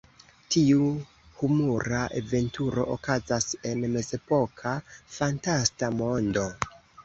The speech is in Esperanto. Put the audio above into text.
Tiu humura aventuro okazas en mezepoka fantasta mondo.